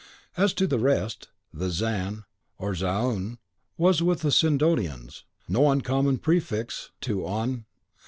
As to the rest, the Zan, or Zaun, was, with the Sidonians, no uncommon prefix to On.